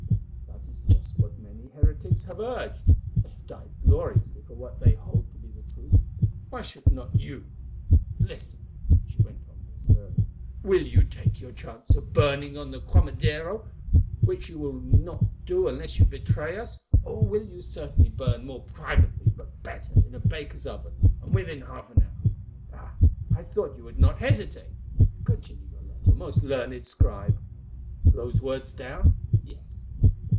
"That is just what many heretics have urged. They have died gloriously for what they hold to be the truth, why should not you? Listen," she went on more sternly. "Will you take your chance of burning on the Quemadero, which you will not do unless you betray us, or will you certainly burn more privately, but better, in a baker's oven, and within half an hour? Ah! I thought you would not hesitate. Continue your letter, most learned scribe. Are those words down? Yes.